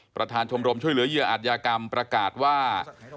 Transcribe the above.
ประธานชมรมช่วยเหลือเหยื่ออัธยากรรมประกาศว่า